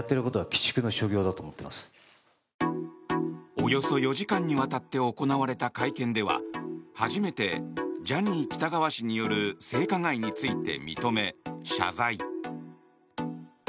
およそ４時間にわたって行われた会見では初めてジャニー喜多川氏による性加害について認め、謝罪。